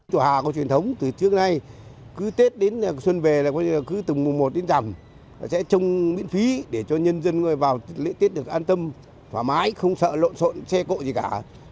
chùa hà có truyền thống từ trước nay cứ tết đến xuân về là cứ từ mùa một đến rằm sẽ trông miễn phí để cho nhân dân vào lễ tết được an tâm thoải mái không sợ lộn xộn xe cộ gì cả